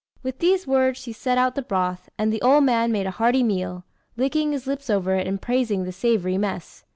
With these words she set out the broth, and the old man made a hearty meal, licking his lips over it, and praising the savoury mess.